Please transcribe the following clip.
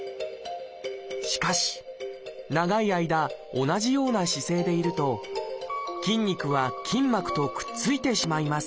しかし長い間同じような姿勢でいると筋肉は筋膜とくっついてしまいます。